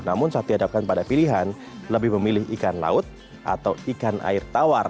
namun saat dihadapkan pada pilihan lebih memilih ikan laut atau ikan air tawar